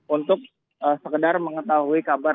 untuk sekedar mengetahui kabar